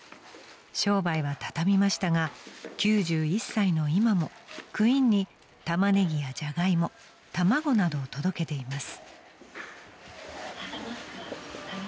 ［商売は畳みましたが９１歳の今もクインにタマネギやジャガイモ卵などを届けています］